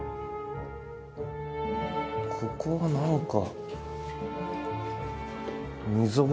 ここ何か。